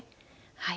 はい。